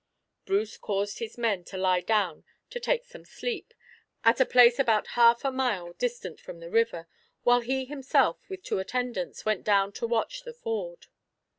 Bruce caused his men to lie down to take some sleep, at a place about half a mile distant from the river, while he himself, with two attendants, went down to watch the ford.